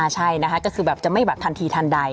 ใช่นะคะก็คือแบบจะไม่แบบทันทีทันใด